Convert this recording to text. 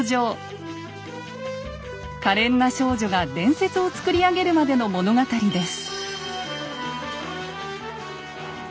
かれんな少女が伝説を作り上げるまでの物語です。